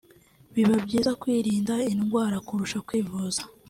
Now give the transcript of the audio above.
biba byiza kwirinda indwara kurusha kwivuza